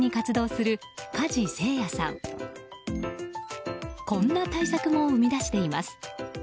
こんな大作も生み出しています。